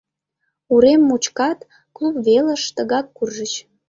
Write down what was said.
Урем мучкат, клуб велыш, тыгак куржыч.